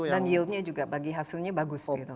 dan yieldnya juga bagi hasilnya bagus gitu